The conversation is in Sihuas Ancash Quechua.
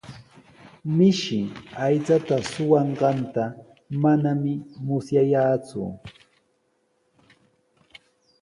Mishi aycha suqanqanta manami musyayaaku.